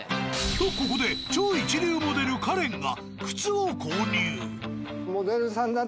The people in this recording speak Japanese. とここで超一流モデルかわいい。